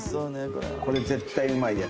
これ絶対うまいやつだよ。